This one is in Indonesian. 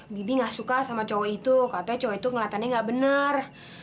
mimpi nggak suka sama cowok itu katanya cowok itu kelihatannya gak bener